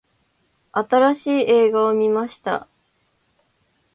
新しい映画を観ました。